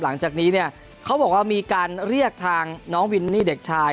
หลังจากนี้เนี่ยเขาบอกว่ามีการเรียกทางน้องวินนี่เด็กชาย